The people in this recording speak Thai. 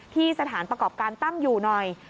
ที่สถานประกอบการตั้งอยู่หน่อย